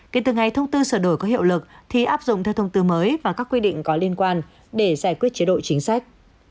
kể từ ngày thông tư sửa đổi có hiệu lực thì áp dụng theo thông tư mới và các quy định có liên quan để giải quyết chế độ chính sách